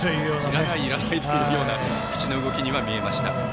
いらない、いらないというような口の動きに見えました。